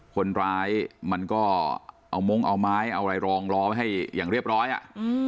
คนร้ายมันก็เอามงเอาไม้เอาอะไรรองล้อไว้ให้อย่างเรียบร้อยอ่ะ